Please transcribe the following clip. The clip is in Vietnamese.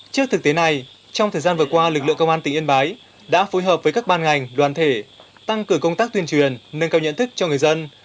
trước thực tế này trong thời gian vừa qua lực lượng công an tỉnh yên bái đã phối hợp với các ban ngành đoàn thể tăng cường công tác tuyên truyền nâng cao nhận thức cho người dân